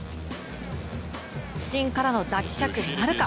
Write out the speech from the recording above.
不振からの脱却なるか。